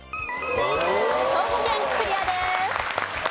兵庫県クリアです。